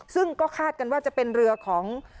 ซึ่งก็คาดกันว่าจะเป็นเรือของ